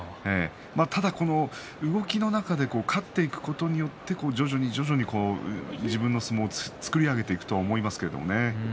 ただ動きの中で勝っていくことによって徐々に徐々に自分の相撲を作り上げていくと思いますけれどもね。